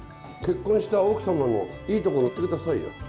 結婚した奥様のいいところ言って下さいよ。